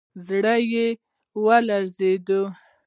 زړه يې ولړزېد.